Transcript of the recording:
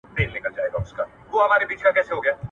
ايا ټول اسلامي اصول په دې واده کي مراعات سول؟